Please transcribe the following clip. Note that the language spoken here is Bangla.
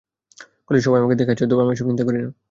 কলেজে সবাই আমাকে দেখে হাসে, তবে আমি এসব চিন্তা করি না।